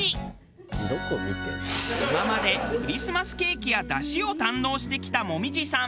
今までクリスマスケーキやだしを堪能してきた紅葉さん。